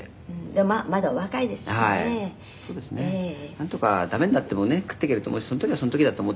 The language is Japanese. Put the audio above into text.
「なんとか駄目になってもね食っていけると思うしその時はその時だと思って」